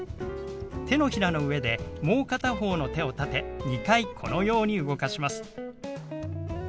手のひらの上でもう片方の手を立て２回このように動かします。